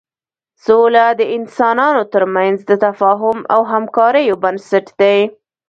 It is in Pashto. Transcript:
سوله د انسانانو تر منځ د تفاهم او همکاریو بنسټ دی.